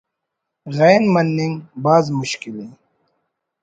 غ مننگ بھاز مشکلءِ